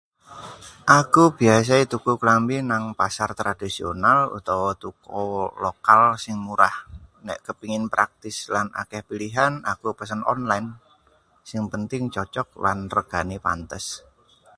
Aku biasane tuku klambi nang pasar tradisional utawa toko lokal sing murah. Nek kepengin praktis lan akeh pilihan, aku pesen online. Sing penting cocok lan regane pantes.